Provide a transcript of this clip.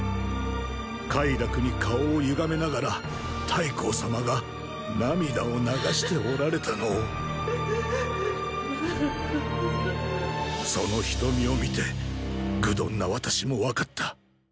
快楽に顔を歪めながら太后様が涙を流しておられたのをその瞳を見て愚鈍な私も分かった。